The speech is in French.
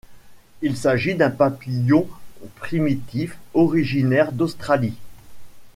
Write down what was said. Il s'agit d'un papillon primitif originaire d'Australie.